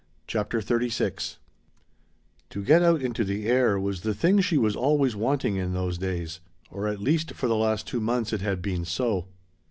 CHAPTER XXXVI To get out into the air was the thing she was always wanting in those days, or at least for the last two months it had been so.